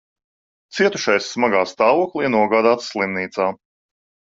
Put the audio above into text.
Cietušais smagā stāvoklī nogādāts slimnīcā.